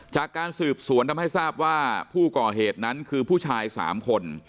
จากการสืบสวนทำให้ทราบว่าผู้ก่อเหตุนั้นคือผู้ชาย๓คน